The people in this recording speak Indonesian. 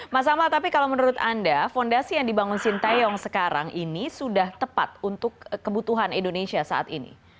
mas amal tapi kalau menurut anda fondasi yang dibangun sintayong sekarang ini sudah tepat untuk kebutuhan indonesia saat ini